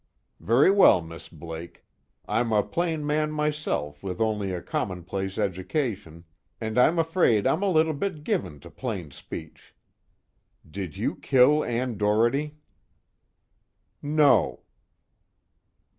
_ "Very well, Miss Blake. I'm a plain man myself with only a commonplace education, and I'm afraid I'm a little bit given to plain speech. Did you kill Ann Doherty?" "No."